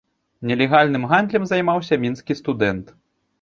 Нелегальным гандлем займаўся мінскі студэнт.